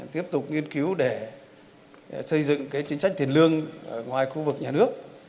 tiếp tục nghiên cứu để xây dựng cái chính sách tiền lương ngoài khu vực nhà nước